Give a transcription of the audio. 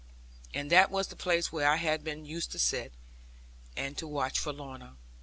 And that was the place where I had been used to sit, and to watch for Lorna.